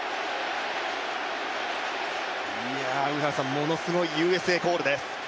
ものすごいＵＳＡコールです。